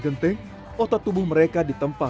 genting otot tubuh mereka ditempa